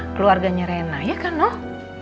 keluarganya rena ya kan nol